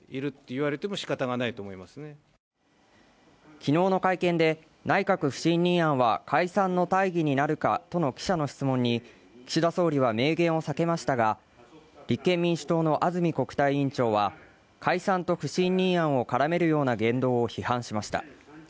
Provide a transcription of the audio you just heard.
昨日の会見で、内閣不信任案は、解散の大義になるかとの記者の質問に岸田総理は明言を避けましたが、立憲民主党の安住国対委員長は解散と不信任案を絡めるような言動を批判しました。